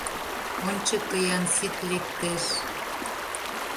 Ончыко Янсит лектеш.